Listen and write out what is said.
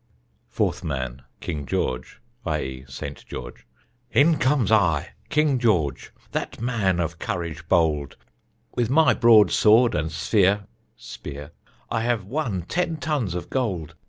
Fourth Man King George [i.e., Saint George]: In comes I, King George, That man of courage bold, With my broad sword and sphere [spear] I have won ten tons of gold.